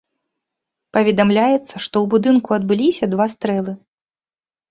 Паведамляецца, што ў будынку адбыліся два стрэлы.